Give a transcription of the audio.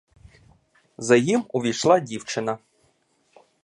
За їм увійшла дівчина.